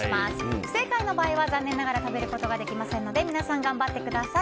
不正解の場合は残念ながら食べることができませんので皆さん、頑張ってください。